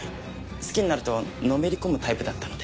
好きになるとのめり込むタイプだったので。